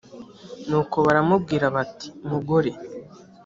nuko baramubwira bati mugore